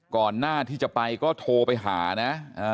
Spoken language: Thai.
ก่อนหน้าที่จะไปก็โทรไปหานะ